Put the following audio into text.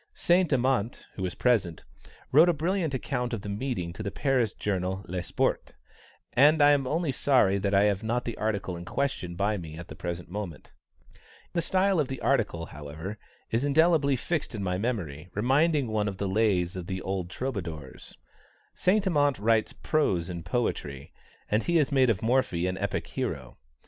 Saint Amant, who was present, wrote a brilliant account of the meeting to the Paris journal Le Sport, and I am only sorry that I have not the article in question by me at the present moment. The style of the article, however, is indelibly fixed in my memory, reminding one of the Lays of the old Troubadours. Saint Amant writes prose in poetry, and he has made of Morphy an epic hero.